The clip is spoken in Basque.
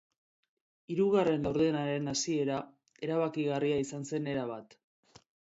Hirugarren laurdenaren hasiera erabakigarria izan zen erabat.